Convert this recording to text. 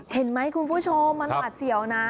เห็นไหมคุณผู้ชมมันหวาดเสียวนะ